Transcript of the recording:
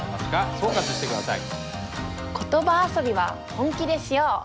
総括して下さい。